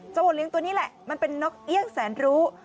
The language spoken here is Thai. โอเลี้ยตัวนี้แหละมันเป็นนกเอี่ยงแสนรู้